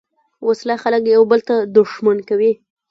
وسله خلک یو بل ته دښمن کوي